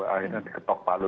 akhirnya diketok palu